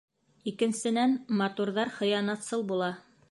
Икенсенән, матурҙар хыянатсыл була.